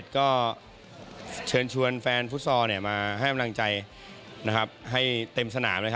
ก็เชิญชวนแฟนฟุตซอลมาให้กำลังใจให้เต็มสนาม